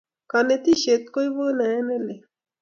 kanetishet kuipu naet ne lel